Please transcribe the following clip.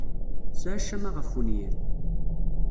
Tesɛa ccama ɣef wenyir.